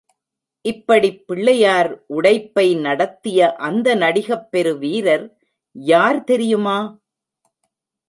இப்படிப் பிள்ளையார் உடைப்பை நடத்திய அந்த நடிகப் பெரு வீரர் யார் தெரியுமா?